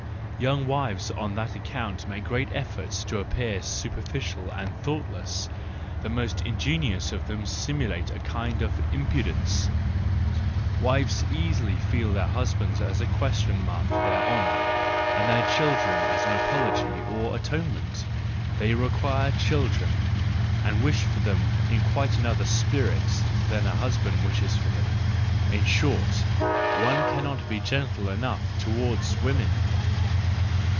—Young wives on that account make great efforts to appear superficial and thought¬ less ; the most ingenious of them simulate a kind of impudence.—Wives easily feel their husbands as a question mark to their honour, and their children as an apology or atonement,—they require children, and wish for them in quite another spirit than a husband wishes for them.—In short, one cannot be gentle enough towards women